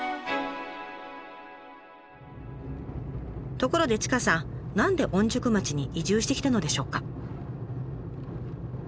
ところで千賀さん何で御宿町に移住してきたのでしょうか？